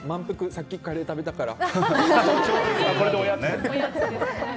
さっきカレー食べたから。